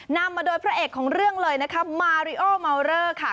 นำมาโดยพระเอกของเรื่องเลยนะคะมาริโอเมาเลอร์ค่ะ